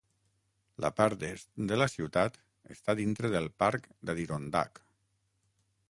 La part est de la ciutat està dintre del parc d'Adirondack.